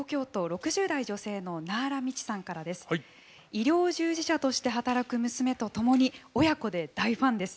「医療従事者として働く娘と共に親子で大ファンです。